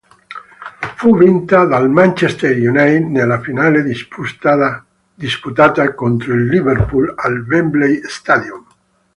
Fu vinta dal Manchester United nella finale disputata contro il Liverpool al Wembley Stadium.